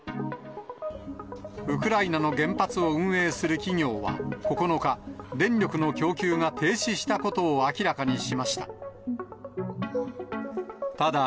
ウクライナの原発を運営する企業は、９日、電力の供給が停止したことを明らかにしました。